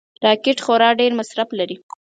راکټ خورا ډېر مصرف لري